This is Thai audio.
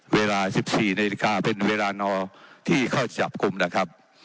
เวลา๑๔นาฬิกาเป็นเวลานอที่เข้าจับกลุ่มนะครับ